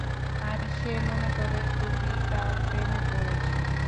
আর সে মনে করে তুমি তার প্রেমে পড়েছো?